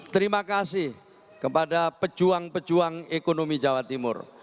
terima kasih kepada pejuang pejuang ekonomi jawa timur